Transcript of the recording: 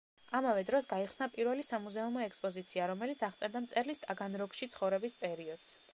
ამავე დროს გაიხსნა პირველი სამუზეუმო ექსპოზიცია, რომელიც აღწერდა მწერლის ტაგანროგში ცხოვრების პერიოდს.